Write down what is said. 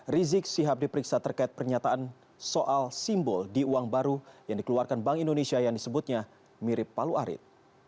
rizik sihab diperiksa terkait pernyataan soal simbol di uang baru yang dikeluarkan bank indonesia yang disebutnya mirip palu arit